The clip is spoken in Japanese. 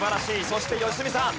そして良純さん。